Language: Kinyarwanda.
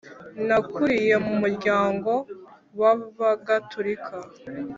nakuriye mu muryango w ‘abagatolika,